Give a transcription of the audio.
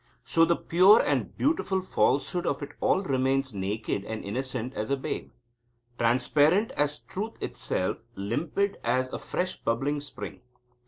So the pure and beautiful falsehood of it all remains naked and innocent as a babe; transparent as truth itself; limpid as afresh bubbling spring.